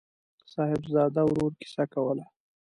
صاحبزاده ورور کیسه کوله.